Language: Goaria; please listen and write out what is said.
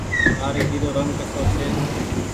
نآريگي رو رنگ ڪسو ڇي۔